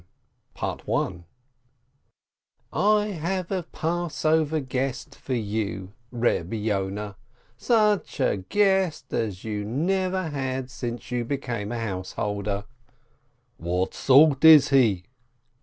THE PASSOVEE GUEST "I have a Passover guest for you, Reb Yoneh, such a guest as you never had since you became a house holder." "What sort is he?"